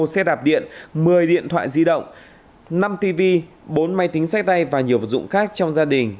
một xe đạp điện một mươi điện thoại di động năm tv bốn máy tính sách tay và nhiều vật dụng khác trong gia đình